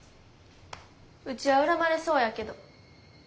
ウチは恨まれそうやけど。